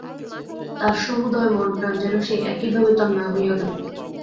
তাঁহার সমুদয় মন প্রাণ যেন সেই একভাবে তন্ময় হইয়া গেল।